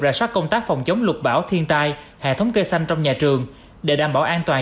rà soát công tác phòng chống lục bão thiên tai hệ thống cây xanh trong nhà trường để đảm bảo an toàn